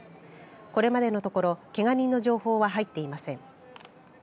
これまでのところけが人の情報は入っていません。